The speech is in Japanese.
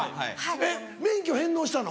えっ免許返納したの？